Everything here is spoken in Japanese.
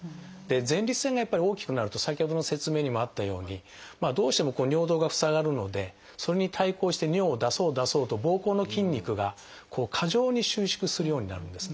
前立腺がやっぱり大きくなると先ほどの説明にもあったようにどうしても尿道が塞がるのでそれに対抗して尿を出そう出そうとぼうこうの筋肉が過剰に収縮するようになるんですね。